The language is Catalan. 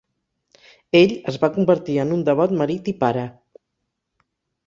Ell es va convertir en un devot marit i pare.